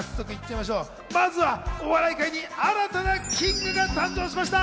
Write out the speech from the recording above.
まずはお笑い界に新たなキングが誕生しました。